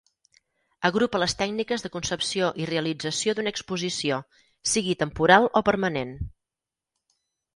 Agrupa les tècniques de concepció i realització d'una exposició, sigui temporal o permanent.